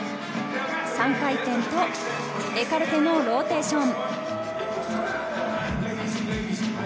３回転とエカルテのローテーション。